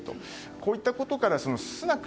こういったことからスナク